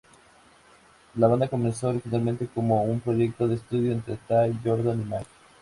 La banda comenzó originalmente como un proyecto de estudio entre Tay, Jordan y Mike.